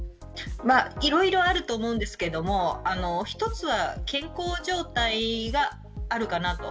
いろいろあると思いますが一つは健康状態があるかなと。